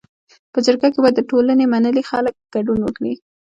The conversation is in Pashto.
په جرګه کي باید د ټولني منلي خلک ګډون وکړي.